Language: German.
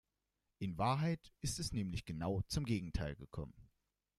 In Wahrheit ist es nämlich genau zum Gegenteil gekommen.